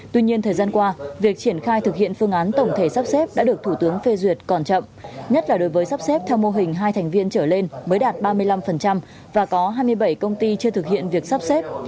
tuy nhiên thời gian qua việc triển khai thực hiện phương án tổng thể sắp xếp đã được thủ tướng phê duyệt còn chậm nhất là đối với sắp xếp theo mô hình hai thành viên trở lên mới đạt ba mươi năm và có hai mươi bảy công ty chưa thực hiện việc sắp xếp